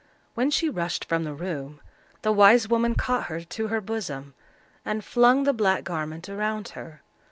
When she rushed from the room, the wise woman caught her to her bosom and flung the black garment around her.